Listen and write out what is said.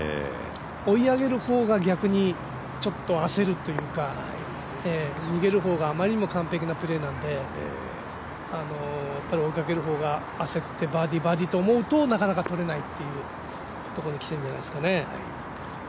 追い上げる方が逆にちょっと焦るというか逃げる方があまりにも完璧なプレーなので追いかける方が焦ってバーディー、バーディーって思うとなかなかとれないっていうところにきてるんじゃないですかね。